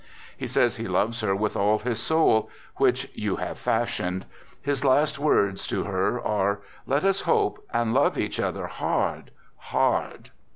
He says he loves her with all his soul, " which you have fashioned." His last words to her are, " Let us hope, and love each other, hard, hard.